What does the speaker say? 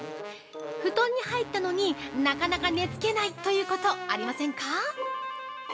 布団に入ったのになかなか寝つけないということありませんか？